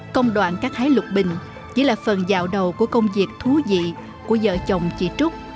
công đoạn cắt hái lục bình chỉ là phần dạo đầu của công việc thú vị của vợ chồng chị trúc